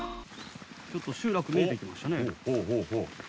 ちょっと集落見えてきましたね。